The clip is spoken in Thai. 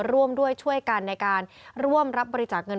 ร่วมด้วยช่วยกันในการร่วมรับบริจาคเงิน